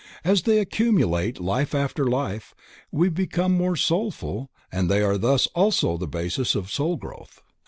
As they accumulate life after life, we become more soulful and they are thus also the basis of soulgrowth.